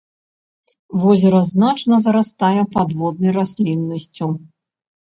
Возера значна зарастае падводнай расліннасцю.